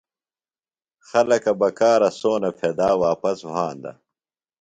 خلَکہ بکارہ سونہ پھیۡدا واپس وھاندہ۔